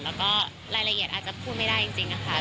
แล้วก็รายละเอียดอาจจะพูดไม่ได้จริงนะคะ